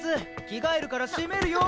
着替えるから閉めるよ。